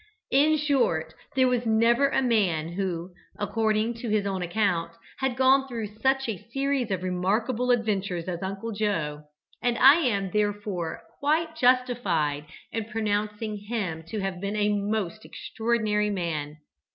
In short, there never was a man who, according to his own account, had gone through such a series of remarkable adventures as Uncle Joe, and I am therefore quite justified in pronouncing him to have been a most extraordinary man.